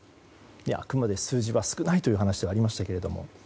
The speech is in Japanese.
あくまで数字は少ないという話はありましたが。